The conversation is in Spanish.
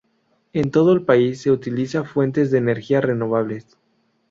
En todo el país se utiliza fuentes de energía renovables.